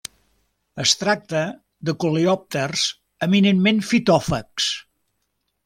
Es tracta de coleòpters eminentment fitòfags.